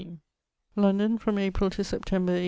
853 London, from April to September, 1822.